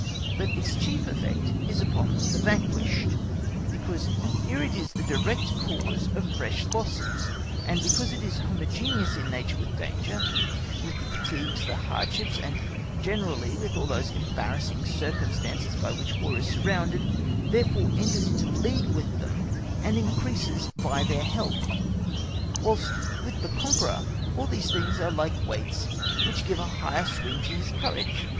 But its chief effect is upon the vanquished, because here it is the direct cause of fresh losses, and besides it is homogeneous in nature with danger, with the fatigues, the hardships, and generally with all those embarrassing circumstances by which War is surrounded, therefore enters into league with them and increases by their help, whilst with the conqueror all these things are like weights which give a higher swing to his courage.